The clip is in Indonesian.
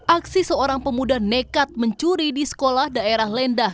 aksi seorang pemuda nekat mencuri di sekolah daerah lendah